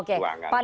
oke pak nusirwan